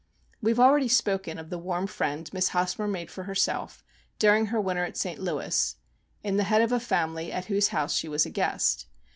"We have already spoken of the warm friend Miss Hosmer made for herself, dur ing her winter at St. Louis, in the head of a family, at whose house she was a guest.